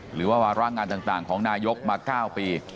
หรือว่าวาระงานต่างของนายกมา๙ปี